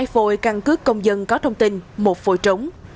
hai phôi căn cước công dân có thông tin một phôi trống